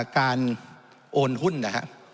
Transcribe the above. การโอนหุ้นนะครับ